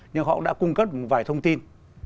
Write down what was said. nhưng họ cũng đã cung cất một vài thông tin